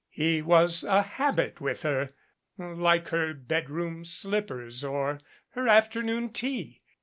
He was a habit with her like her bedroom slippers or her afternoon tea.